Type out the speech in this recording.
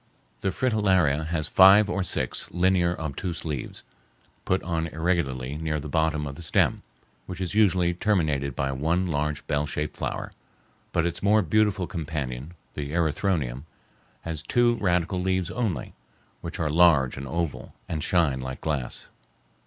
The fritillaria has five or six linear, obtuse leaves, put on irregularly near the bottom of the stem, which is usually terminated by one large bell shaped flower; but its more beautiful companion, the erythronium, has two radical leaves only, which are large and oval, and shine like glass.